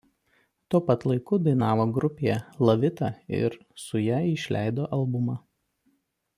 Tuo pat laiku dainavo grupėje „La Vita“ ir su ja išleido albumą.